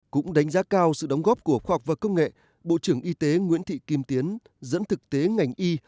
cũng đánh giá cao sự đóng góp của khoa học và công nghệ bộ trưởng y tế nguyễn thị kim tiến dẫn thực tế ngành y